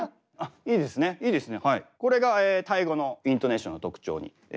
いいですね。